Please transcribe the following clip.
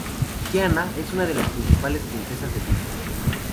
Tiana es una de las principales princesas disney.